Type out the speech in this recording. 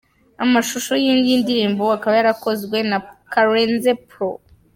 Amashuhso y’iyi ndirimbo akaba yarakozwe na Karenzo Pro .